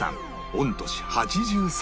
御年８３